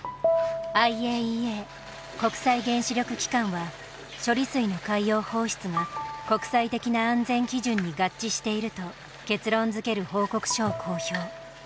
ＩＡＥＡ国際原子力機関は処理水の海洋放出が国際的な安全基準に合致していると結論づける報告書を公表。